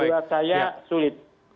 menurut saya sulit